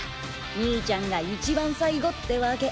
兄ちゃんがいちばん最後ってわけ。